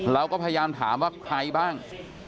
เราก็พยายามถามว่าใครบ้าง